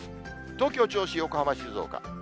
東京、銚子、横浜、静岡。